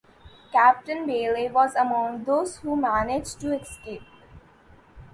Captain Bayley was among those who managed to escape.